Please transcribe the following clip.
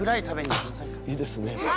あっいいですね。